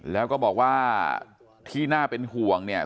แล้วก็บอกว่าที่น่าเป็นห่วงเนี่ย